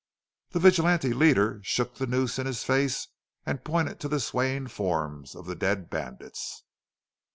The vigilante leader shook the noose in his face and pointed to the swaying forms of the dead bandits.